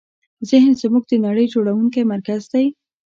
ذهن زموږ د نړۍ جوړوونکی مرکز دی.